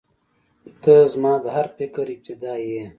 • ته زما د هر فکر ابتدا یې.